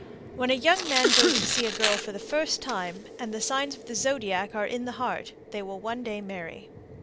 When a young man goes to see a girl for the first time, and the signs of the zodiac are in the heart, they will one day marry.